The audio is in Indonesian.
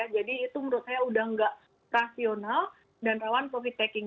jadi itu menurut saya sudah tidak rasional dan rawan profit taking